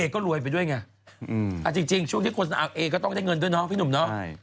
ก็รวยไปด้วยไงเอาจริงช่วงที่คนเอาเอก็ต้องได้เงินด้วยเนาะพี่หนุ่มเนาะ